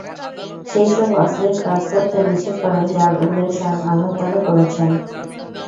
সেইসব অশ্লীল কাজ করতে নিষেধ করেন যার উল্লেখ স্বয়ং আল্লাহ তাআলা করেছেন।